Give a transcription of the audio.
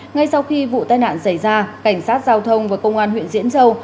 ngay sau khi vụ tai nạn xảy ra cảnh sát giao thông và công an huyện diễn châu